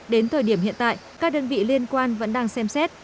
đến thời điểm hiện tại các đơn vị liên quan vẫn đang xem xét